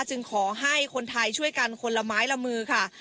จึงขอให้คนไทยช่วยกันคนละไม้ละมือค่ะ